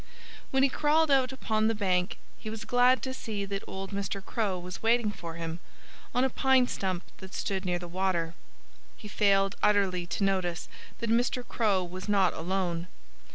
When he crawled out upon the bank he was glad to see that old Mr. Crow was waiting for him, on a pine stump that stood near the water. He failed utterly to notice that Mr. Crow was not alone.